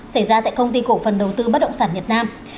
xảy ra tại công ty cổ phần đầu tư bất động sản nhật nam